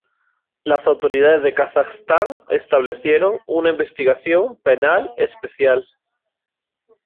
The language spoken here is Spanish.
Las autoridades de Kazajstán establecieron una investigación penal especial.